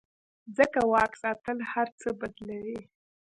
ځکه واک ساتل هر څه بدلوي.